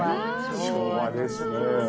昭和ですね。